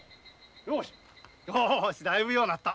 よしだいぶようなった。